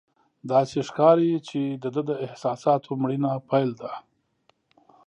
داسې ښکاري چې د ده د احساساتو مړینه پیل ده.